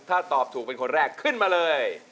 ถ้าตอบถูกเป็นคนแรกขึ้นมาเลย